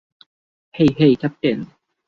Hey, hey, captain.